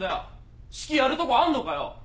指揮やるとこあんのかよ！？